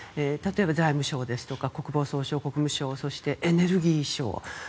例えば財務省ですとか国防総省、国務省そして、エネルギー省。